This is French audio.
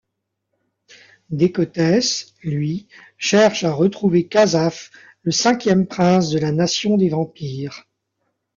Dekotes, lui, cherche à retrouver Kazaf, le cinquième prince de la nation des vampires.